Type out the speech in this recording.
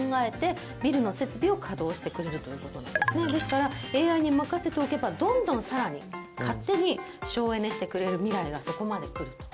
ですからＡＩに任せておけばどんどん更に勝手に省エネしてくれる未来がそこまでくると。